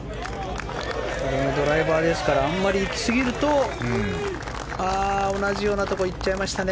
ドライバーですからあまりいきすぎると同じようなところにいっちゃいましたね。